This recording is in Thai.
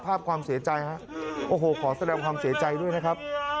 ภาพความเสียใจฮะโอ้โหขอแสดงความเสียใจด้วยนะครับ